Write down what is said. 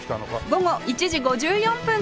午後１時５４分から